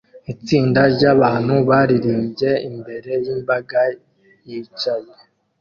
Itsinda ryabantu baririmbye imbere yimbaga yicaye